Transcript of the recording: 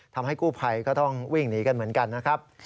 ทำให้กู้ภัยก็ต้องวิ่งหนีกันเหมือนกันนะครับ